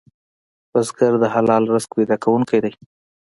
بزګر د حلال رزق پیدا کوونکی دی